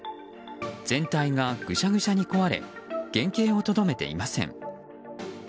全体がぐしゃぐしゃに壊れ原形をとどめていません。